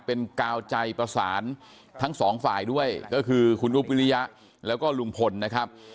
เป็นกาวใจประสานทั้งสองฝ่ายด้วยก็คือคุณอุ๊บวิริยะแล้วก็ลุงพลนะครับ